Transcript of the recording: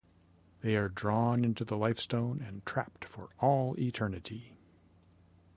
They are drawn into the Lifestone and trapped for all eternity.